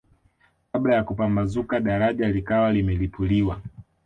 Kabla ya kupambazuka daraja likawa limelipuliwa